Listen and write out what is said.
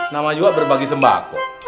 nama juga berbagi sembako